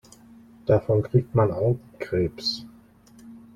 Davon kriegt man Augenkrebs.